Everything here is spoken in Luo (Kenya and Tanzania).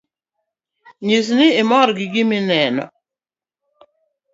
Nyis ni imor gi gima inono